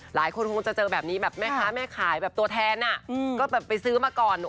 หลายคนคงจะเจอแบบนี้แบบแม่ค้าแม่ขายแบบตัวแทนก็แบบไปซื้อมาก่อน